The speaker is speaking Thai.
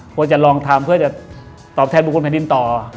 ควรจะลองทำเพื่อจะตอบแทนบุคคลแผ่นดินต่อ